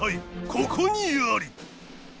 ここにあり！